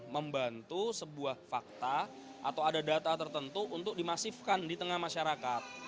membantu sebuah fakta atau ada data tertentu untuk dimasifkan di tengah masyarakat